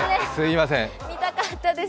残念、見たかったです。